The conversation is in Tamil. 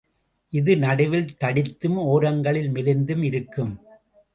இது நடுவில் தடித்தும் ஒரங்களில் மெலிந்தும் இருக்கும்.